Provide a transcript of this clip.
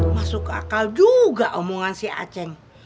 masuk akal juga omongan si aceh